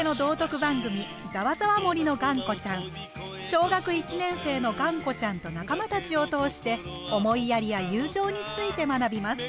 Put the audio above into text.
小学１年生のがんこちゃんと仲間たちを通して思いやりや友情について学びます。